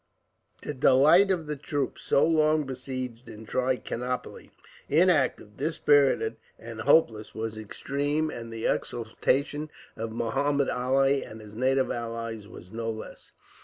The delight of the troops; so long besieged in Trichinopoli; inactive, dispirited, and hopeless, was extreme; and the exultation of Muhammud Ali and his native allies was no less.